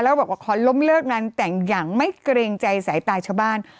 แล้วบอกว่าขอล้มเลิกงานแต่งอย่างไม่เกรงใจสายตาชาวบ้าน